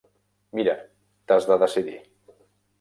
Mira, t'has de decidir.